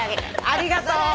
ありがとう。